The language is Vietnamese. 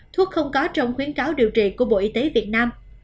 thuốc không có trong khuyến cáo điều trị của bộ y tế việt nam